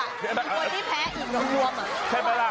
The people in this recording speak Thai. คนน่าได้๒๐โลกรัมแล้วคนที่แพ้อีกรวม